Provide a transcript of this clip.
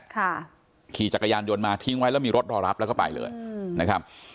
ขี่จักรยานยนต์มาทิ้งไว้แล้วมีรถรอรับแล้วก็ไปเลยอืมนะครับ